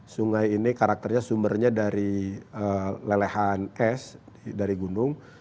sungai ini karakternya sumbernya dari lelehan es dari gunung